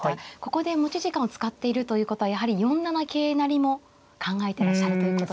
ここで持ち時間を使っているということはやはり４七桂成も考えてらっしゃるということですか。